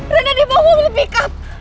rena di bawah gue pick up